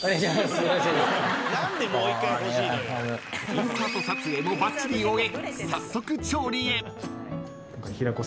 ［インサート撮影もばっちり終え早速調理へ］